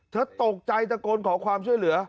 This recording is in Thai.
เธอตกใจตะโกนขอความช่วยเหลือ